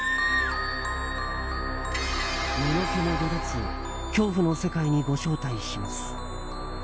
身の毛もよだつ恐怖の世界にご招待します。